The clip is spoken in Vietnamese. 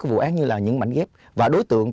vụ án như là những mảnh ghép và đối tượng